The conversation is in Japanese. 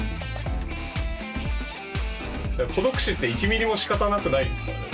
孤独死って１ミリも仕方なくないですからね。